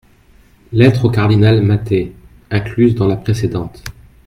Lettre au cardinal Mathei incluse dans la précédente.